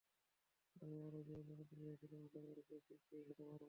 আমি আরও জোরে দৌড়াতে চেয়েছিলাম, আশা করি খুব শিগগির সেটা পারব।